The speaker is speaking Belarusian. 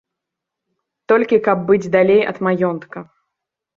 Толькі каб быць далей ад маёнтка.